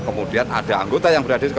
kemudian ada anggota yang berada di dalam mobil